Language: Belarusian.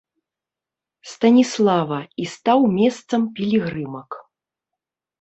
Станіслава і стаў месцам пілігрымак.